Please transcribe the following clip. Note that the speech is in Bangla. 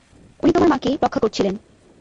উনি তোমার মাকে রক্ষা করছিলেন।